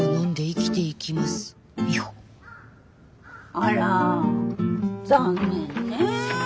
あら残念ね。